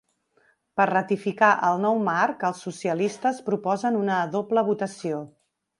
Per ratificar el nou marc, els socialistes proposen una doble votació.